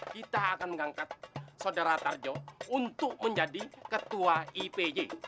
kita akan mengangkat saudara tarjo untuk menjadi ketua ipj